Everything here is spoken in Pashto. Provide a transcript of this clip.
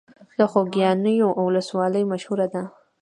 د خوږیاڼیو ولسوالۍ مشهوره ده